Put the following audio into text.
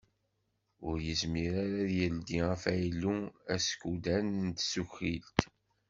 Ur yezmir ara ad d-yeldi afaylu askudan n tsuqilt.